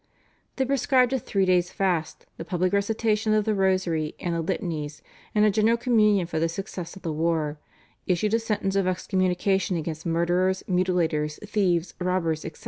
They prescribed a three days' fast, the public recitation of the Rosary and the Litanies, and a general Communion for the success of the war, issued a sentence of excommunication against murderers, mutilators, thieves, robbers, etc.